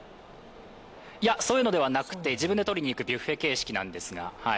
そういうのではなくて、自分で取りに行くビュッフェ形式なんですが。